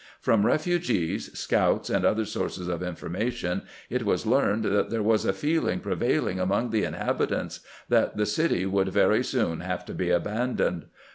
From refugees, scouts, and other sources of information it was learned that there was a feeling prevailing among the inhabitants that the city would very soon have to be abandoned.